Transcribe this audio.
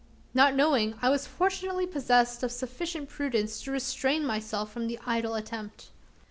Not knowing, I was fortunately possessed of sufficient prudence to restrain myself from the idle attempt.